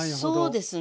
そうですね。